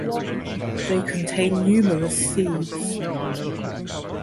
They contain numerous seeds.